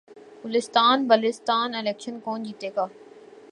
Gilgit Baltistan election کون جیتےگا